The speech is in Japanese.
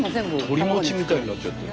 とりもちみたいになっちゃった。